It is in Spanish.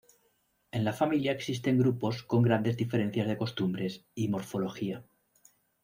En la familia existen grupos con grandes diferencias de costumbres y morfología.